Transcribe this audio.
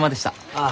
ああ。